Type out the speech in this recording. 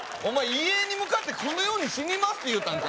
遺影に向かってこのように死にますって言うたんか